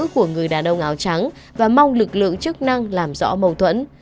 của người đàn ông áo trắng và mong lực lượng chức năng làm rõ mâu thuẫn